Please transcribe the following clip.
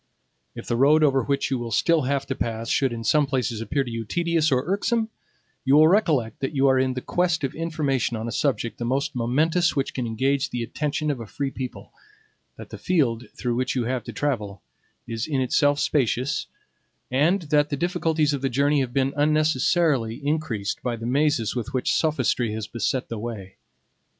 If the road over which you will still have to pass should in some places appear to you tedious or irksome, you will recollect that you are in quest of information on a subject the most momentous which can engage the attention of a free people, that the field through which you have to travel is in itself spacious, and that the difficulties of the journey have been unnecessarily increased by the mazes with which sophistry has beset the way.